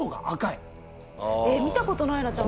見た事ないなちゃんと。